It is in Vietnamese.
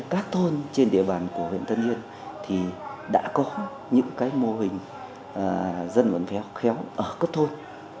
các thôn trên địa bàn của huyện tân yên thì đã có những mô hình dân vận khéo khéo ở cấp thôn